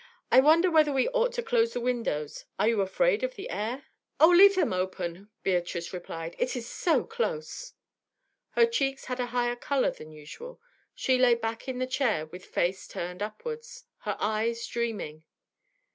'I wonder whether we ought to close the windows; are you afraid of the air?' 'Oh, leave them open!' Beatrice replied. 'It is so close.' Her cheeks had a higher colour than usual; she lay back in the chair with face turned upwards, her eyes dreaming.